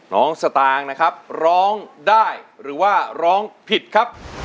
สตางค์นะครับร้องได้หรือว่าร้องผิดครับ